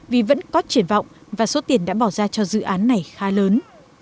vì vẫn có triển vọng và số tiền đã bỏ ra cho dự án này khá lớn